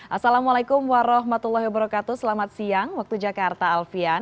assalamualaikum warahmatullahi wabarakatuh selamat siang waktu jakarta alfian